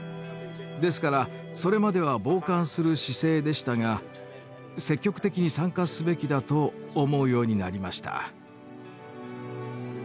ですからそれまでは傍観する姿勢でしたが積極的に参加すべきだと思うようになりました。